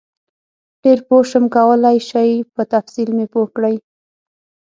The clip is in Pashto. ډېر پوه شم کولای شئ په تفصیل مې پوه کړئ؟